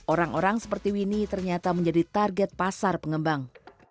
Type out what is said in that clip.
orang orang seperti winnie ternyata menjadi target pasar pengembang